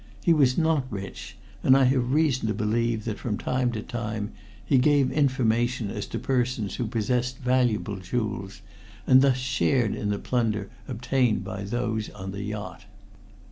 He was not rich, and I have reason to believe that from time to time he gave information as to persons who possessed valuable jewels, and thus shared in the plunder obtained by those on the yacht.